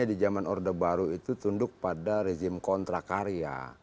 itu tunduk pada rejim kontrakarya